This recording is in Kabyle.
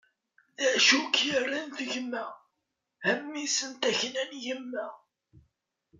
D acu i k-irran d gma, a mmi-s n takna n yemma?